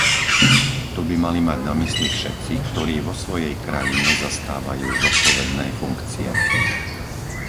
To by mali mať na mysli všetci, ktorí vo svojej krajine zastávajú zodpovedné funkcie!